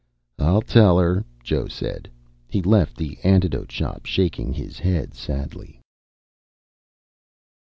"I'll tell her," Joe said. He left the Antidote Shop shaking his head sadly.